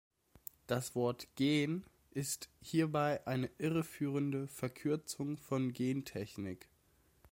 Das Wort „gen-“ ist hierbei eine irreführende Verkürzung von Gentechnik.